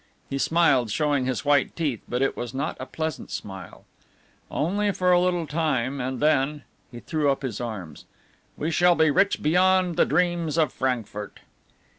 He smiled, showing his white teeth, but it was not a pleasant smile, "only for a little time, and then," he threw up his arms, "we shall be rich beyond the dreams of Frankfurt."